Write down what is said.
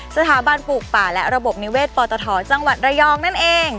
สถาบันปลูกป่าและระบบนิเวศปตทจังหวัดระยองนั่นเอง